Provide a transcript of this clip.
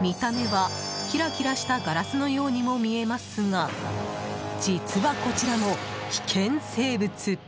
見た目は、キラキラしたガラスのようにも見えますが実は、こちらも危険生物。